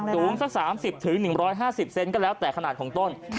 สูงสัก๓๐๑๕๐เซนก็แล้วแต่ขนาดของต้น